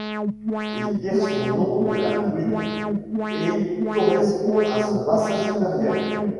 Il tire son nom de la Tweed, et correspond à son bassin supérieur.